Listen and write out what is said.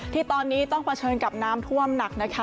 ที่ตอนนี้ต้องเผชิญกับน้ำท่วมหนักนะคะ